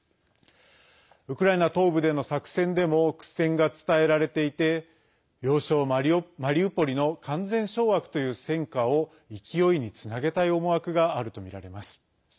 ウクライナ東部での作戦でも苦戦が伝えられていて要衝マリウポリの完全掌握という戦果を勢いにつなげたい思惑があるとみられます。